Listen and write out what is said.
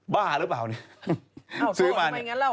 บ้าหรือเปล่าเนี่ย